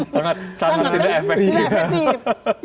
sangat tidak efektif